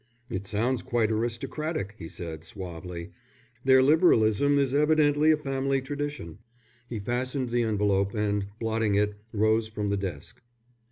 "It sounds quite aristocratic," he said, suavely. "Their Liberalism is evidently a family tradition." He fastened the envelope, and, blotting it, rose from the desk.